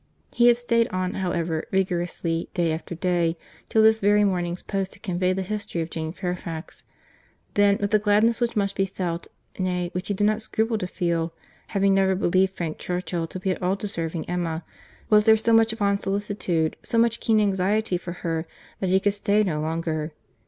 —He had stayed on, however, vigorously, day after day—till this very morning's post had conveyed the history of Jane Fairfax.—Then, with the gladness which must be felt, nay, which he did not scruple to feel, having never believed Frank Churchill to be at all deserving Emma, was there so much fond solicitude, so much keen anxiety for her, that he could stay no longer.